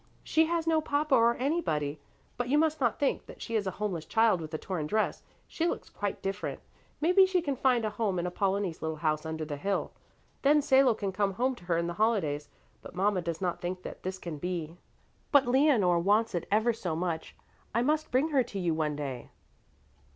She has no papa or anybody. But you must not think that she is a homeless child with a torn dress; she looks quite different. Maybe she can find a home in Apollonie's little house under the hill. Then Salo can come home to her in the holidays. But mama does not think that this can be. But Leonore wants it ever so much. I must bring her to you one day."